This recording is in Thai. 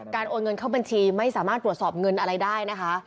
โอนเงินเข้าบัญชีไม่สามารถตรวจสอบเงินอะไรได้นะคะ